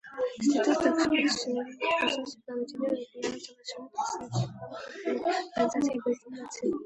Следует также подчеркнуть важность проведения регулярных совещаний председателей главных органов Организации Объединенных Наций.